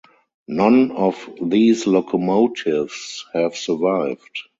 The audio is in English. None of these locomotives have survived.